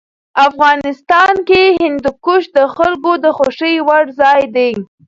افغانستان کې هندوکش د خلکو د خوښې وړ ځای دی.